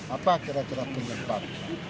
apa kira kira penyebab